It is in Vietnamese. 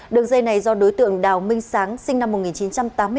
đường dây này do đối tượng đào minh sáng sinh năm một nghìn chín trăm tám mươi bốn